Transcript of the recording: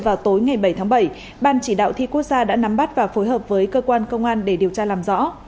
vào tối ngày bảy tháng bảy ban chỉ đạo thi quốc gia đã nắm bắt và phối hợp với cơ quan công an để điều tra làm rõ